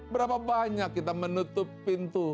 berapa banyak kita menutup pintu hati kita